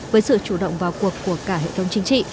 với sự chủ động vào cuộc của cả hệ thống chính trị